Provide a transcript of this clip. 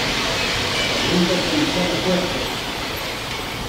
la corriente es demasiado fuerte.